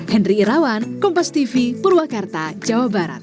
henry irawan kompas tv purwakarta jawa barat